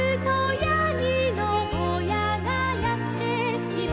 「やぎのぼうやがやってきます」